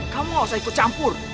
kamu gak usah ikut campur